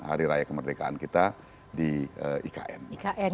hari raya kemerdekaan kita di ikn